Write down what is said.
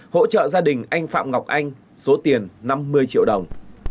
hỗ trợ gia đình anh phạm ngọc anh số tiền năm mươi triệu đồng